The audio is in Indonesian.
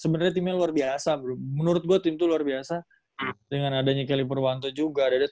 sebenarnya timnya luar biasa menurut gue tim itu luar biasa dengan adanya kelly purwanto juga dada